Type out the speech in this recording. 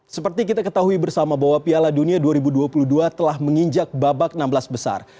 seperti kita ketahui bersama bahwa piala dunia dua ribu dua puluh dua telah menginjak babak enam belas besar